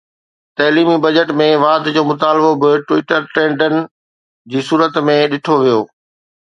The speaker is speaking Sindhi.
تعليمي بجيٽ ۾ واڌ جو مطالبو به ٽوئيٽر ٽريڊن جي صورت ۾ ڏٺو ويو